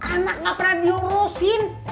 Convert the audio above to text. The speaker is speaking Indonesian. anak nggak pernah diurusin